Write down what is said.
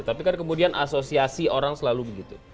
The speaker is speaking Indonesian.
tapi kan kemudian asosiasi orang selalu begitu